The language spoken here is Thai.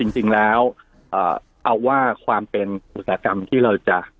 จริงแล้วเอาว่าความเป็นอุตสาหกรรมที่เราจะ